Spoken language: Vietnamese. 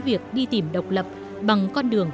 việc đi tìm độc lập bằng con đường